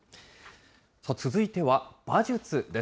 続いては馬術です。